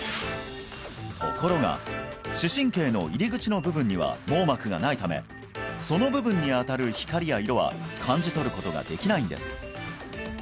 ところが視神経の入り口の部分には網膜がないためその部分に当たる光や色は感じ取ることができないんです